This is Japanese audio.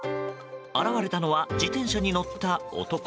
現れたのは、自転車に乗った男。